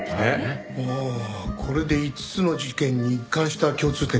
おおこれで５つの事件に一貫した共通点ができた。